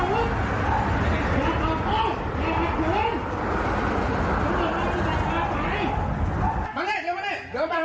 กำลังไปมา